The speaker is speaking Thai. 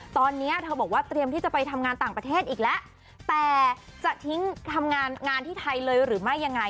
ตอนนี้เธอบอกว่าเตรียมที่จะไปทำงานต่างประเทศอีกแล้วแต่จะทิ้งทำงานงานที่ไทยเลยหรือไม่ยังไง